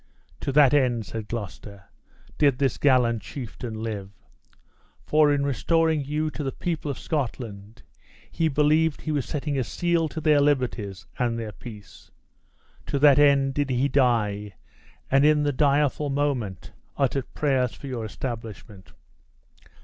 "To that end," said Gloucester, "did this gallant chieftain live. For, in restoring you to the people of Scotland, he believed he was setting a seal to their liberties and their peace. To that end did he die, and in the direful moment, uttered prayers for your establishment.